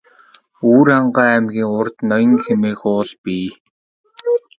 Өвөрхангай аймгийн урд Ноён хэмээх уул бий.